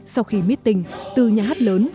sau khi mít tình từ nhà hát lớn